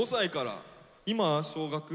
今小学。